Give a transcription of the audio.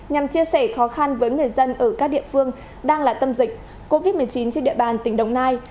nhằm chia sẻ khó khăn với người dân ở các địa phương đang là tâm dịch covid một mươi chín trên địa bàn tỉnh đồng nai